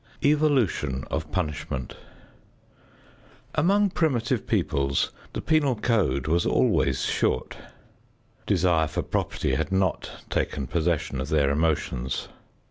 XXII EVOLUTION OF PUNISHMENT Among primitive peoples the penal code was always short. Desire for property had not taken possession of their emotions.